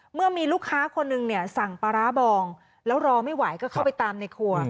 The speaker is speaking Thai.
เมื่อมีลูกค้าคนหนึ่งเนี่ยสั่งปลาร้าบองแล้วรอไม่ไหวก็เข้าไปตามในครัว